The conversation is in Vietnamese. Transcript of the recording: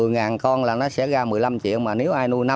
một mươi ngàn con là nó sẽ ra một mươi năm triệu